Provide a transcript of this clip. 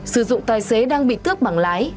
sử dụng tài xế đang bị tước bằng lái